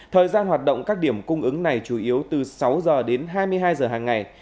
thời gian hoạt động các điểm cung ứng này chủ yếu từ sáu h đến hai mươi hai h hàng ngày